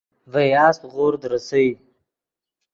ڤے یاسپ غورد ریسئے